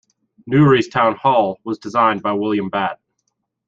Newry's town hall was designed by William Batt.